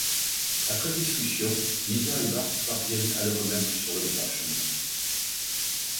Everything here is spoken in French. Après discussion, Lisa et Bart parviennent à le remettre sur le droit chemin.